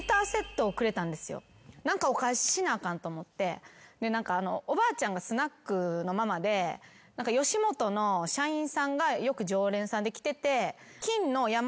何かお返ししなあかんと思っておばあちゃんがスナックのママで吉本の社員さんがよく常連さんで来てて。